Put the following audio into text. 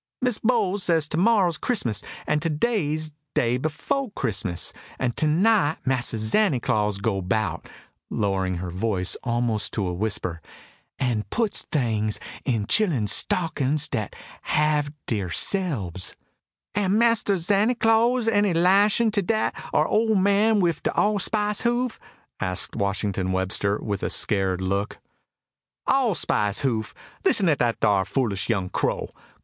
"Miss Bowles says to morrer's Chrissmus, an' to day's day befo' Chrissmus, an' to night Mahser Zanty Claws go 'bout" lowering her voice almost to a whisper "an' put tings in chillun's stockin's dat 'haved deirselbs." "Am Mahser Zanty Claws any lashun to dat ar ole man wiff de allspice hoof?" asked Washington Webster, with a scared look. "Allspice hoof! Lissen at dat ar foolish young crow.